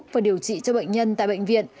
và điều trị cho bệnh nhân tại bệnh viện